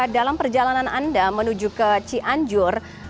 dalam perjalanan anda menuju ke cianjur